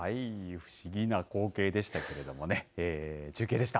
不思議な光景でしたけれどもね、中継でした。